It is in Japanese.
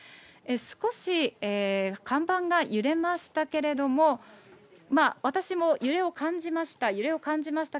少し看板が揺れましたけれども、私も揺れを感じました。